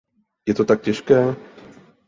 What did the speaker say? Je to tak těžké?